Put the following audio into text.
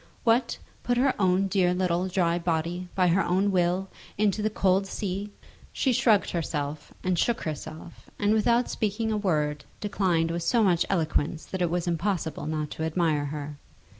What, put her own dear little dry body, by her own will, into the cold sea! She shrugged herself, and shook herself, and without speaking a word declined with so much eloquence that it was impossible not to admire her.